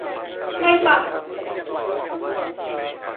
ใช่ป่ะ ?